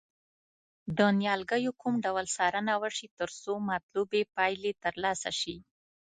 د نیالګیو کوم ډول څارنه وشي ترڅو مطلوبې پایلې ترلاسه شي.